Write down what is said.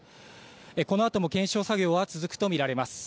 このあとも検証作業は続くと見られます。